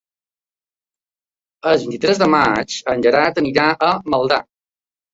El vint-i-tres de maig en Gerard anirà a Maldà.